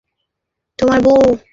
তোমার বউ এখানে এসেছে।